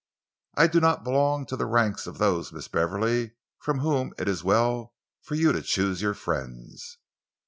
"I do not belong to the ranks of those, Miss Beverley, from whom it is well for you to choose your friends."